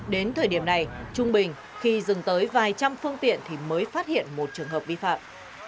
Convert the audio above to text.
đến thời điểm này trung bình khi dừng tới vài trăm phương tiện thì mới phát hiện một trường hợp vi phạm